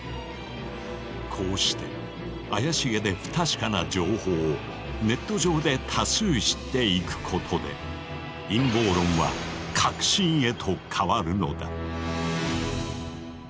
こうして怪しげで不確かな情報をネット上で多数知っていくことで陰謀論は確信へと変わるのだ。